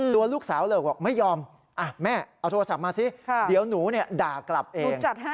ตัวลูกสาวเลยบอกไม่ยอมแม่เอาโทรศัพท์มาสิเดี๋ยวหนูด่ากลับเอง